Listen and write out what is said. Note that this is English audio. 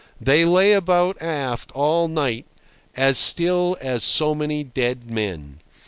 They lay about aft all night, as still as so many dead men.